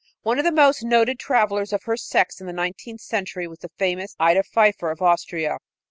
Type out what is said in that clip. One of the most noted travelers of her sex in the nineteenth century was the famous Ida Pfeiffer, of Austria.